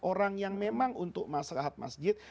orang yang memang untuk masyarakat masjid